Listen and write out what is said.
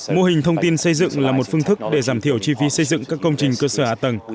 mô hình thông tin xây dựng là một phương thức để giảm thiểu chi phí xây dựng các công trình cơ sở hạ tầng